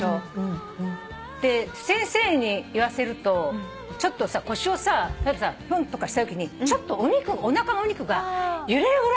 で先生に言わせるとちょっと腰をさ例えばさフンッとかしたときにちょっとおなかのお肉が揺れるぐらいのがいいって。